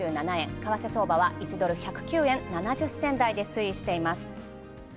為替相場は１ドル１０９円７０銭台で推移しています。